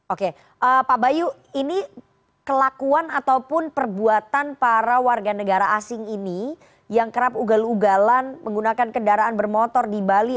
oke pak bayu ini kelakuan ataupun perbuatan para warga negara asing ini yang kerap ugal ugalan menggunakan kendaraan bermotor di bali